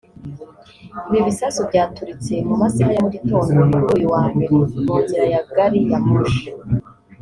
Ibi bisasu byaturitse mu masaha ya mu gitondo kuri uyu wa mbere mu nzira ya gari ya moshi